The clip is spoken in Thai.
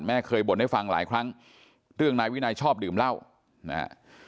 เคยบ่นให้ฟังหลายครั้งเรื่องนายวินัยชอบดื่มเหล้านะฮะ